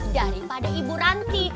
daripada ibu ranti